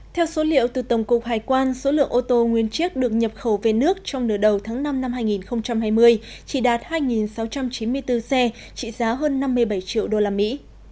theo số liệu từ tổng cục hải quan số lượng ô tô nguyên chiếc được nhập khẩu về nước trong nửa đầu tháng năm năm hai nghìn hai mươi chỉ đạt hai sáu trăm chín mươi bốn xe trị giá hơn năm mươi bảy triệu đô la mỹ